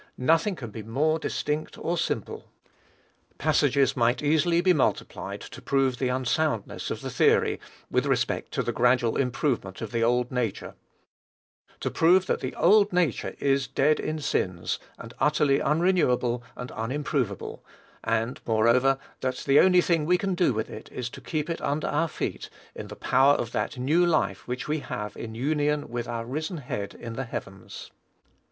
Nothing can be more distinct or simple. Passages might easily be multiplied to prove the unsoundness of the theory, with respect to the gradual improvement of the old nature, to prove that the old nature is dead in sins, and utterly unrenewable and unimproveable; and, moreover, that the only thing we can do with it is, to keep it under our feet in the power of that new life which we have in union with our risen Head in the heavens.